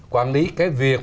quản lý cái việc